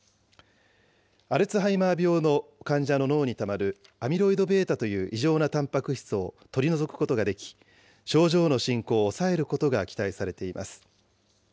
アルツハイマー病の患者の脳にたまるアミロイドβという異常なたんぱく質を取り除くことができ、症状の進行を抑えることが期待されています。